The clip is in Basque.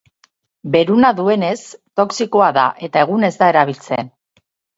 Beruna duenez toxikoa da, eta egun ez da erabiltzen.